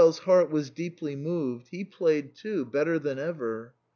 Krespel's heart was deeply moved ; he played, too, better than ever.